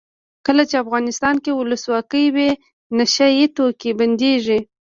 کله چې افغانستان کې ولسواکي وي نشه یي توکي بندیږي.